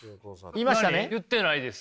言ってないです。